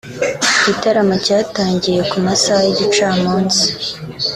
Igitaramo cyatangiye ku masaha y’igicamunsi